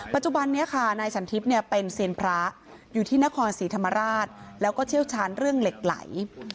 ปัจจุบันนี้ค่ะนายสันทิพย์เป็นเซียนพระอยู่ที่นครศรีธรรมราชแล้วก็เชี่ยวชาญเรื่องเหล็กไหล